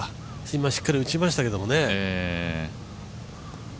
今、しっかり打ちましたけどね。